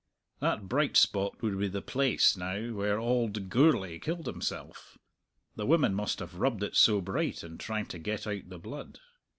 That bright spot would be the place, now, where auld Gourlay killed himself. The women must have rubbed it so bright in trying to get out the blood.